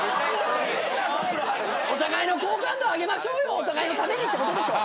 お互いのためにってことでしょ。